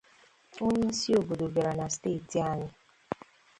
Onyeisi obodo bịara na Steeti anyị